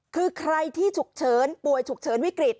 คือใครที่ฉุกเฉินป่วยฉุกเฉินวิกฤต